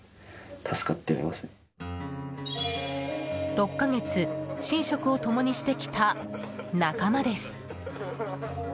６か月寝食を共にしてきた仲間です。